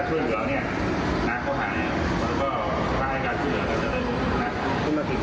มันเป็นผลักษณะกว่าดีถ้าช่วยเหลือเนี่ย